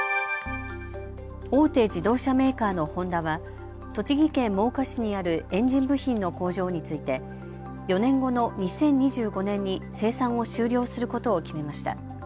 大手自動車メーカーのホンダは栃木県真岡市にあるエンジン部品の工場について４年後の２０２５年に生産を終了することを決めました。